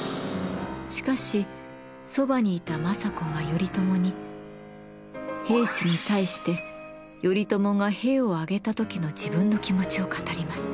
しかしそばにいた政子が頼朝に平氏に対して頼朝が兵を挙げた時の自分の気持ちを語ります。